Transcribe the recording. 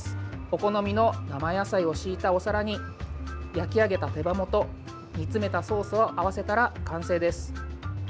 お好みの生野菜を敷いたお皿に焼き上げた手羽元煮詰めたソースを合わせたら完成です。